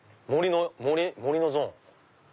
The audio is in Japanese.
森のゾーン？